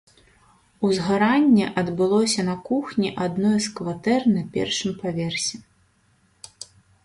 Узгаранне адбылося на кухні адной з кватэр на першым паверсе.